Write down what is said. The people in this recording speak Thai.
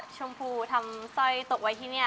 ของอุ่นใจก็ไม่มี